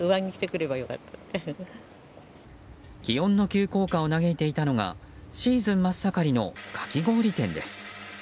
気温の急降下を嘆いていたのがシーズン真っ盛りのカキ氷店です。